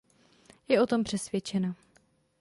Je o tom přesvědčena.